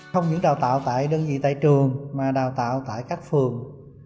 không những đào tạo tại đơn vị tại trường mà đào tạo tại các phường